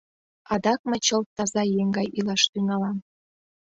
Адак мый чылт таза еҥ гай илаш тӱҥалам.